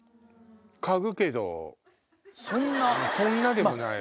嗅ぐけどそんなでもないわ。